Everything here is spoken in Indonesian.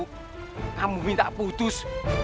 kamu minta putus